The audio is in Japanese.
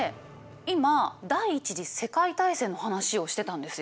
今第一次世界大戦の話をしてたんですよ。